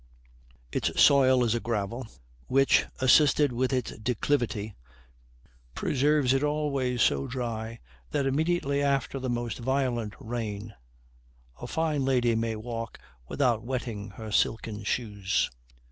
Its soil is a gravel, which, assisted with its declivity, preserves it always so dry that immediately after the most violent rain a fine lady may walk without wetting her silken shoes.